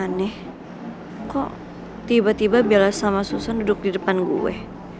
aneh kok tiba tiba bela sama susan duduk di depan gue